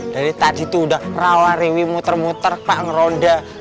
dari tadi tuh udah rala rewi muter muter pak ngeronda